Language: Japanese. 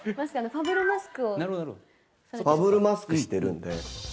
ファブルマスクしてるんで。